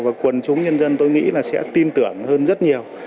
và quần chúng nhân dân tôi nghĩ là sẽ tin tưởng hơn rất nhiều